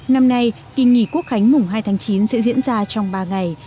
năm nay kỳ nghỉ quốc khánh mùng hai tháng chín sẽ diễn ra trong ba ngày